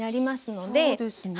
そうですね。